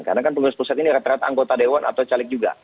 karena kan pengurus pusat ini rata rata anggota dewan atau caleg juga